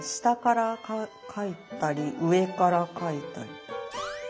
下から描いたり上から描いたり。